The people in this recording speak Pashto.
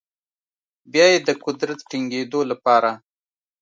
بیا یې د قدرت د ټینګیدو لپاره